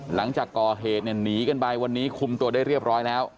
หลังจากก่อเหตุเนี่ยหนีกันไปวันนี้คุมตัวได้เรียบร้อยแล้ว